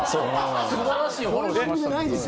素晴らしいフォローしました。